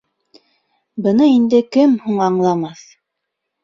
Быны инде кем һуң аңламаҫ.